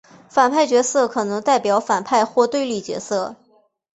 反派角色可能代表反派或对立角色。